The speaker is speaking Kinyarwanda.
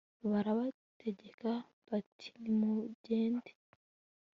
barabategeka bati nimugende